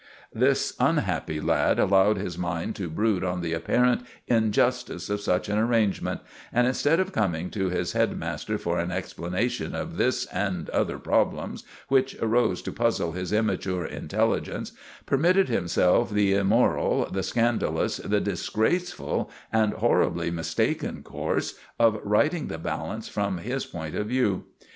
"This unhappy lad allowed his mind to brood on the apparent injustice of such an arrangement, and instead of coming to his head master for an explanation of this and other problems which arose to puzzle his immature intelligence, permitted himself the immoral, the scandalous, the disgraceful and horribly mistaken course of righting the balance from his point of view.